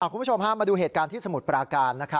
คุณผู้ชมมาดูเหตุการณ์ที่สมุทรปราการ